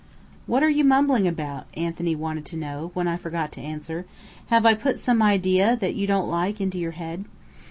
"What are you mumbling about?" Anthony wanted to know, when I forgot to answer. "Have I put some idea that you don't like into your head?"